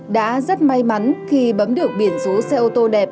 đã rất may mắn khi bấm được biển số xe ô tô đẹp